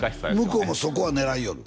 向こうもそこを狙いよる？